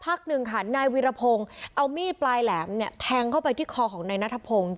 พักหนึ่งค่ะนายวีรพงศ์เอามีดปลายแหลมเนี่ยแทงเข้าไปที่คอของนายนัทพงศ์